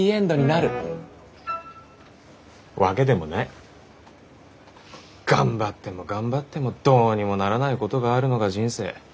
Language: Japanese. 頑張っても頑張ってもどうにもならないことがあるのが人生。